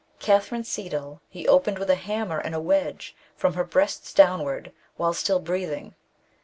Catherine Seidel he opened with a hammer and a wedge, from her breast downwards, whilst still breathing.